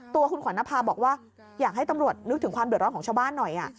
ตัวคุณขวัญนภาบอกว่าอยากให้ตำรวจนึกถึงความเดือดร้อนของชาวบ้านหน่อย